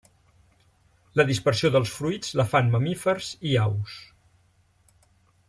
La dispersió dels fruits la fan mamífers i aus.